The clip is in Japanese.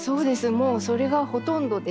もうそれがほとんどです。